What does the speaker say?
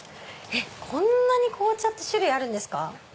こんなに紅茶って種類あるんですか。